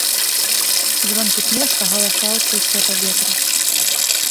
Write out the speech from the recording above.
Звонкі смех агалашаў чыстае паветра.